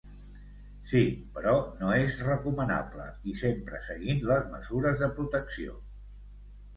Sí, però no és recomanable i sempre seguint les mesures de protecció.